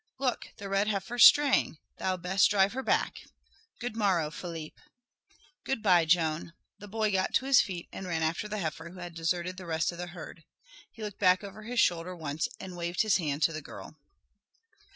Look, the red heifer's straying. Thou'd best drive her back. Good morrow, Philippe." "Good bye, Joan." The boy got to his feet and ran after the heifer who had deserted the rest of the herd. He looked back over his shoulder once and waved his hand to the girl.